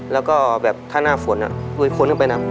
แล้วก็แบบถ้าหน้าฝนอ่ะโดยคนเข้าไปน่ะ